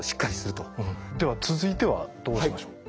では続いてはどうしましょう？